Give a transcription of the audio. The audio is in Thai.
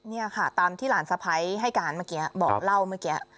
นี่ค่ะตามที่หลานสะพ้ายให้การเมื่อกี้บอกเล่าเมื่อกี้